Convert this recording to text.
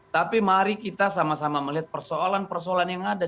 tapi mari kita sama sama melihat persoalan persoalan yang ada